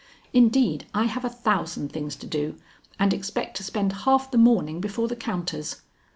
Indeed I have a thousand things to do, and expect to spend half the morning before the counters.